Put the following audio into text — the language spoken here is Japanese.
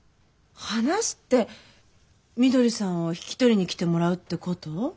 話すってみどりさんを引き取りに来てもらうってこと？